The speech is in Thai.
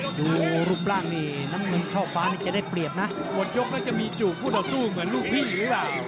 ดูรูปร่างนี่น้ำเงินช่อฟ้านี่จะได้เปรียบนะหมดยกแล้วจะมีจูบคู่ต่อสู้เหมือนลูกพี่หรือเปล่า